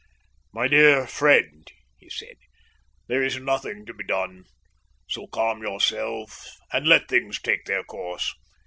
"My dear friend," he said, "there is nothing to be done, so calm yourself, and let things take their course.